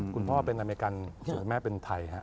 คุณพ่อเป็นอเมริกันส่วนคุณแม่เป็นไทยฮะ